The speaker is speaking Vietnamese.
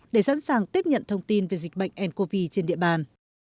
để sẵn sàng tiếp nhận thông tin về dịch bệnh ncov trên địa bàn